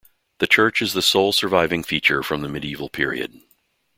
The church is the sole surviving feature from the medieval period.